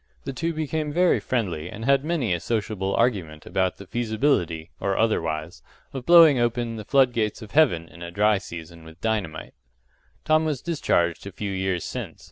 The two became very friendly, and had many a sociable argument about the feasibility or otherwise of blowing open the flood gates of Heaven in a dry season with dynamite. Tom was discharged a few years since.